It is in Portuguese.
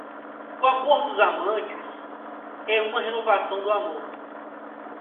O amor dos amantes é uma renovação do amor.